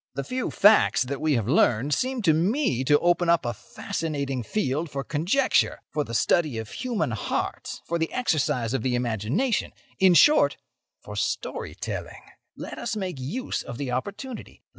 The few facts that we have learned seem to me to open up a fascinating field for conjecture, for the study of human hearts, for the exercise of the imagination—in short, for story telling. Let us make use of the opportunity.